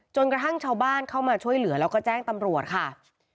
จนกระทั่งชาวบ้านเข้ามาช่วยเหลือแล้วก็แจ้งตำรวจค่ะ